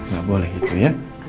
gak boleh gitu ya